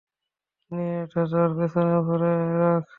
নে, এটা তোর পেছনে ভরে রাখ।